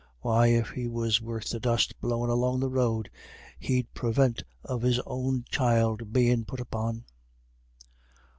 Why, if he was worth the dust blowin' along the road, he'd purvint of his own child bein' put upon."